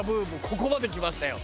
ここまできましたよ。